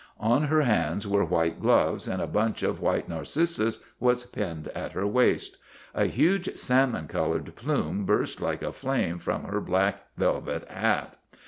On her hands were white gloves, and a bunch of white narcissus was pinned at her waist. A huge salmon colored plume THE BLOOD OF HIS FATHERS 183 burst like a flame from her black velvet hat.